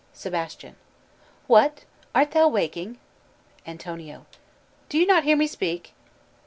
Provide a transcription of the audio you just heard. "Sebastian. What, art thou waking? Antonio. Do you not hear me speak?